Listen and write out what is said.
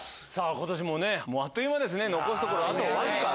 今年もあっという間ですね残すところあとわずか。